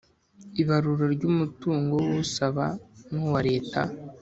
ibarura ry umutungo w usaba n uwa leta